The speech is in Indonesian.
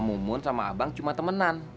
mumun sama abang cuma temenan